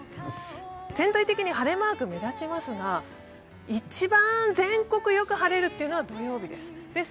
全体的に晴れマークが目立ちますが一番全国よく晴れるというのは土曜日です。